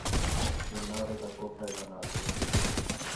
کہ نعریں تا کو فائدہ نہ تھے